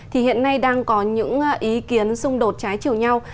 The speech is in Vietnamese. thì hiện nay đang có những ý kiến xung đột trái chiều nhau